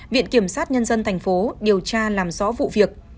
viện kiểm sát nhân dân thành phố điều tra làm rõ vụ việc